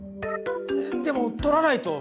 でも取らないと。